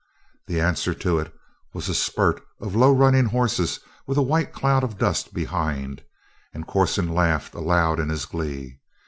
The answer to it was a spurt of low running horses with a white cloud of dust behind, and Corson laughed aloud in his glee.